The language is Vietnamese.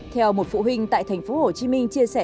theo một phụ huynh tại tp hcm chia sẻ